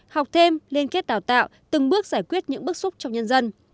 học thêm liên kết đào tạo từng bước giải quyết những bức xúc trong nhân dân